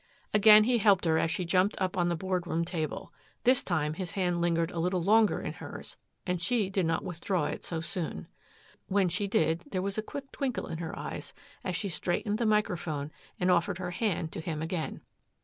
Again he helped her as she jumped up on the board room table. This time his hand lingered a little longer in hers and she did not withdraw it so soon. When she did there was a quick twinkle in her eyes as she straightened the microphone and offered her hand to him again.